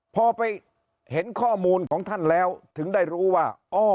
พอไปเห็นข้อมูลของท่านแล้วถึงได้รู้ว่า